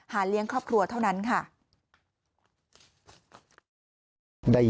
เลี้ยงครอบครัวเท่านั้นค่ะ